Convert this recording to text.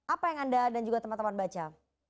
apa yang anda dan juga teman teman baca